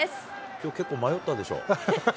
きょう結構、迷ったでしょ？